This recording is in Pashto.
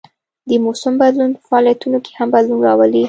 د موسم بدلون په فعالیتونو کې هم بدلون راولي